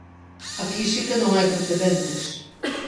Aquí si que non hai precedentes.